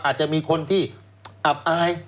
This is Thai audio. อาจจะมีคนที่อับอาย